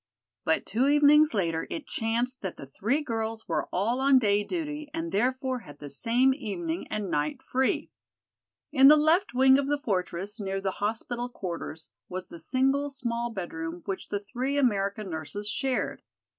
But two evenings later it chanced that the three girls were all on day duty and therefore had the same evening and night free. In the left wing of the fortress, near the hospital quarters, was the single, small bedroom which the three American nurses shared.